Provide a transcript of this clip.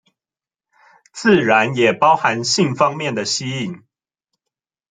自然也包含性方面的吸引